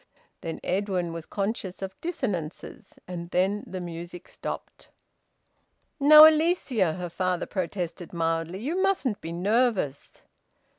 Then Edwin was conscious of dissonances. And then the music stopped. "Now, Alicia," her father protested mildly, "you mustn't be nervous."